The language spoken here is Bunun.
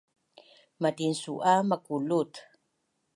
matinsu’a makulut!